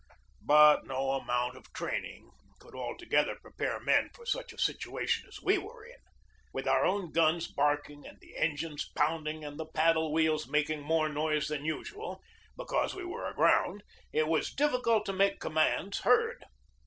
But no amount of training could altogether pre pare men for such a situation as we were in. With our own guns barking, and the engines pounding, THE BATTLE OF PORT HUDSON 93 and the paddle wheels making more noise than usual, because we were aground, it was difficult to make commands heard.